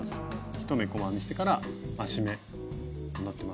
１目細編みしてから増し目になってます。